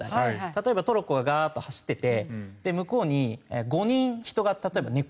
例えばトロッコがガーッと走ってて向こうに５人人が例えば寝転がってると。